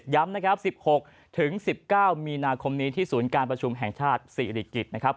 ย้ำนะครับ๑๖๑๙มีนาคมนี้ที่ศูนย์การประชุมแห่งชาติสี่อดีตกิจนะครับ